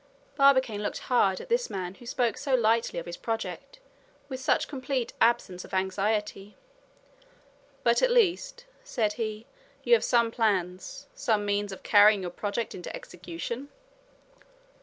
Barbicane looked hard at this man who spoke so lightly of his project with such complete absence of anxiety. "But, at least," said he, "you have some plans, some means of carrying your project into execution?"